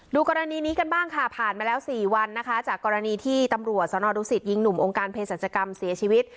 กรณีนี้กันบ้างค่ะผ่านมาแล้ว๔วันนะคะจากกรณีที่ตำรวจสนดูสิตยิงหนุ่มองค์การเพศรัชกรรมเสียชีวิต